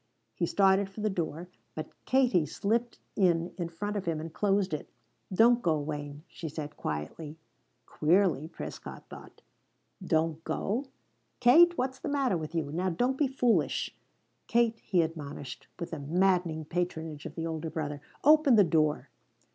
He started for the door, but Katie slipped in in front of him, and closed it. "Don't go, Wayne," she said quietly; queerly, Prescott thought. "Don't go? Kate, what's the matter with you? Now don't be foolish, Katie," he admonished with the maddening patronage of the older brother. "Open the door."